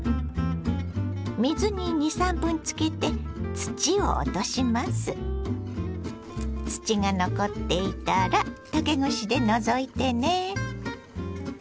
土が残っていたら竹串で除いてね。